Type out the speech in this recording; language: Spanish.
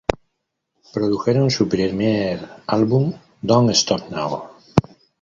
Produjeron su primer álbum "Don't Stop Now".